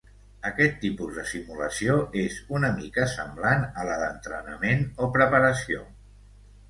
Aquest tipus de simulació és una mica semblant a la d'entrenament o preparació.